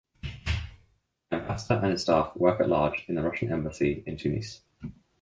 The ambassador and his staff work at large in the Russian embassy in Tunis.